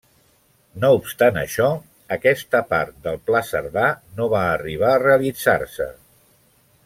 No obstant això, aquesta part del Pla Cerdà no va arribar a realitzar-se.